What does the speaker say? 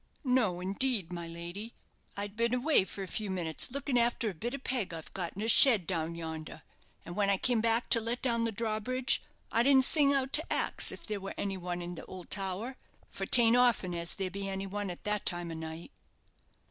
"No, indeed, my lady. I'd been away for a few minutes look'n' arter a bit of peg I've got in a shed down yander; and when I keame back to let down th' drawbridge, I didn't sing out to ax if there wur any one in th' old too wer, for t'aint often as there be any one at that time of night."